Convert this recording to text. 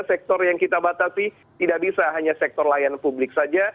sektor yang kita batasi tidak bisa hanya sektor layanan publik saja